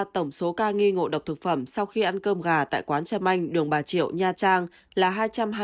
tổng số ca nghi ngộ độc thực phẩm sau khi ăn cơm gà tại quán chèm anh đường bà triệu nha trang là hai trăm hai mươi hai ca